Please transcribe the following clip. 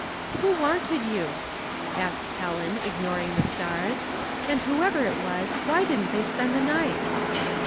" Who wanted you ?" asked Helen, ignoring the stars. " And whoever it was, why didn't they spend the night?